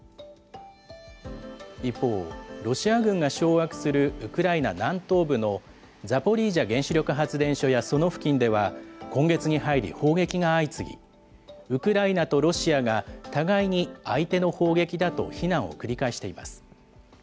一方、ロシア軍が掌握するウクライナ南東部のザポリージャ原子力発電所やその付近では、今月に入り、砲撃が相次ぎ、ウクライナとロシアが、互いに相手の砲撃だと非難を繰り返しています。